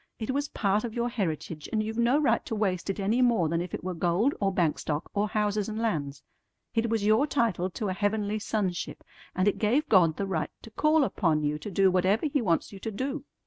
It was part of your heritage, and you've no right to waste it any more than if it were gold or bank stock or houses and lands. It was your title to a heavenly sonship, and it gave God the right to call upon you to do whatever He wants you to do.